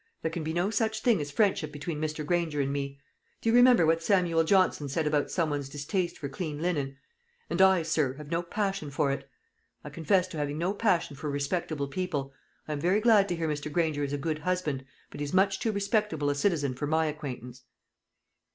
There can be no such thing as friendship between Mr. Granger and me. Do you remember what Samuel Johnson said about some one's distaste for clean linen 'And I, sir, have no passion for it!' I confess to having no passion for respectable people. I am very glad to hear Mr. Granger is a good husband; but he's much too respectable a citizen for my acquaintance."